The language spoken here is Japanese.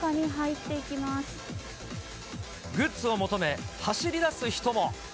グッズを求め、走りだす人も。